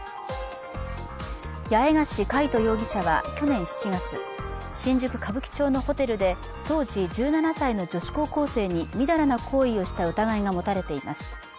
八重樫海渡容疑者は去年７月、新宿・歌舞伎町のホテルで当時１７歳の女子高校生にみだらな行為をした疑いが持たれています。